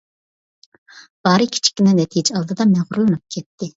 بارى كىچىككىنە نەتىجە ئالدىدا مەغرۇرلىنىپ كەتتى.